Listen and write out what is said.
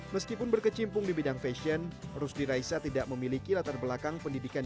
meskipun berkecimpung di bidang fashion harus diraih saya tidak memiliki latar belakang pendidikan